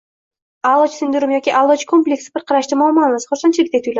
Aʼlochi sindromi yoki “aʼlochi kompleksi” bir qarashda muammo emas, xursandchilikdek tuyuladi.